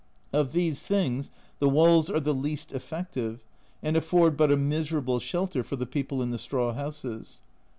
Of these things the walls are the least effective, and afford but a miserable shelter for the people in the straw houses.